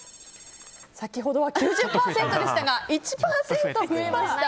先ほどは９０％でしたが１％増えました。